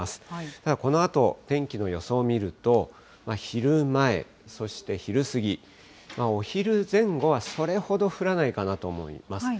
ただ、このあと天気の予想を見ると、昼前、そして昼過ぎ、お昼前後はそれほど降らないかなと思います。